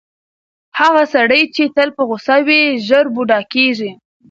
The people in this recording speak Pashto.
هغه سړی چې تل په غوسه وي، ژر بوډا کیږي.